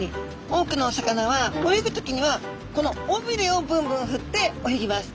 多くのお魚は泳ぐ時にはこの尾びれをブンブンふって泳ぎます。